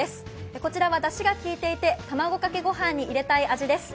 こちらはだしがきいていて、卵かけ御飯に入れたい味です。